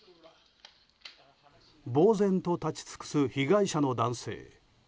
ぼうぜんと立ち尽くす被害者の男性。